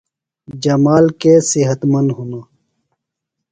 جمال کے صحت مند ہِنوۡ؟